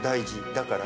だから？